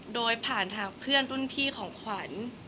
โดยผ่านทางเพื่อนรุ่นพี่ของขวัญ